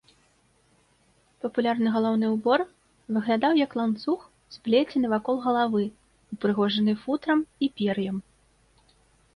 Папулярны галаўны ўбор выглядаў як ланцуг, сплецены вакол галавы, упрыгожаны футрам і пер'ем.